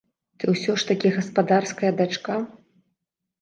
Ты ўсё ж такі гаспадарская дачка.